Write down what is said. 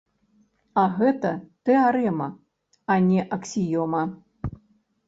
А гэта тэарэма, а не аксіёма.